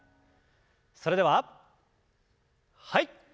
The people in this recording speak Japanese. それでははい。